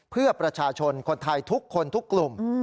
เพื่อประชาชนคนไทยทุกคนทุกกลุ่ม